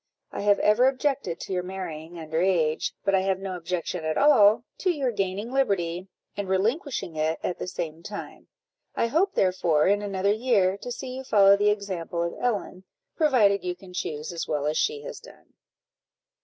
I have ever objected to your marrying under age, but I have no objection at all to your gaining liberty, and relinquishing it at the same time. I hope, therefore, in another year, to see you follow the example of Ellen, provided you can choose as well as she has done."